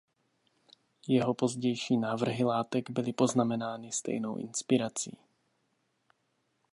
Jeho pozdější návrhy látek byly poznamenány stejnou inspirací.